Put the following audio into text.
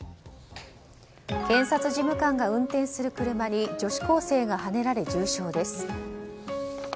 検察事務官が運転する車に女子高生がはねられ重傷です。